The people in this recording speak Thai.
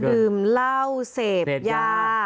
ดื่มเหล้าเสพยา